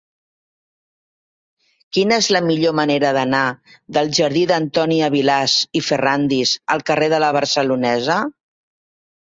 Quina és la millor manera d'anar del jardí d'Antònia Vilàs i Ferràndiz al carrer de La Barcelonesa?